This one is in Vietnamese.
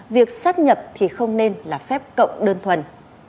việc sát nhập thì không nên là phép cộng đơn thuần